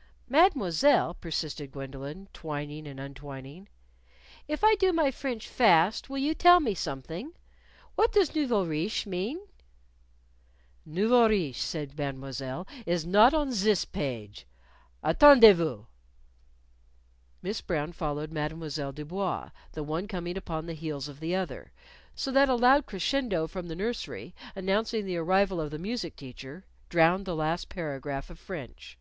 _" "Mademoiselle," persisted Gwendolyn, twining and untwining, "if I do my French fast will you tell me something? What does nouveaux riches mean?" "Nouveaux riches," said Mademoiselle, "is not on ziss page. Attendez vous!" Miss Brown followed Mademoiselle Du Bois, the one coming upon the heels of the other; so that a loud crescendo from the nursery, announcing the arrival of the music teacher, drowned the last paragraph of French.